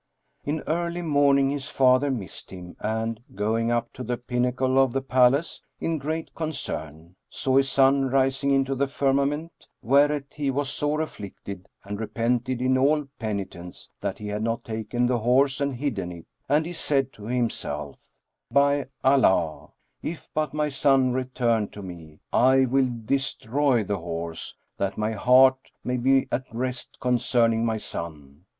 In early morning his father missed him and, going up to the pinnacle of the palace, in great concern, saw his son rising into the firmament; whereat he was sore afflicted and repented in all penitence that he had not taken the horse and hidden it; and he said to himself, "By Allah, if but my son return to me, I will destroy the horse, that my heart may be at rest concerning my son."